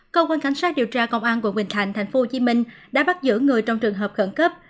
cơ quan cảnh sát điều tra công an quận bình thạnh tp hcm đã bắt giữ người trong trường hợp khẩn cấp